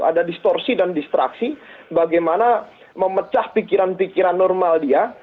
ada distorsi dan distraksi bagaimana memecah pikiran pikiran normal dia